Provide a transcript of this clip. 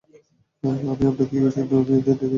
আমি আপনাকে ইউপির মেয়েদের দেখিয়েছিলাম?